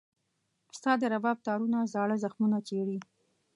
ستا د رباب تارونه زاړه زخمونه چېړي.